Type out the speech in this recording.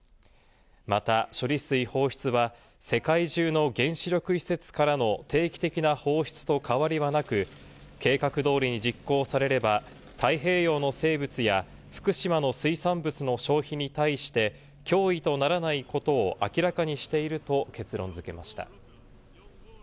また、処理水放出は世界中の原子力施設からの定期的な放出と変わりはなく、計画通りに実行されれば、太平洋の生物や、福島の水産物の消費に対して、脅威とならないことを明らかにしていると結論づけました。